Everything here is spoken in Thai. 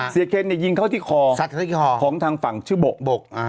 เสียเคนยิงเขาที่คอของทางฝั่งชื่อบก